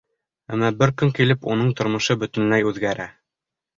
Әммә бер көн килеп уның тормошо бөтөнләй үҙгәрә...